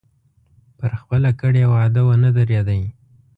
پر خپله کړې وعده ونه درېدی.